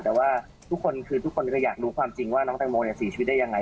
แต่ว่าทุกคนคือทุกคนก็อยากรู้ความจริงว่าน้องแตงโมเสียชีวิตได้ยังไง